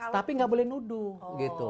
tapi nggak boleh nuduh gitu